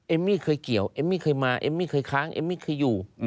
ไม่เคยเกี่ยวเอมมี่เคยมาเอมมี่เคยค้างเอมมี่เคยอยู่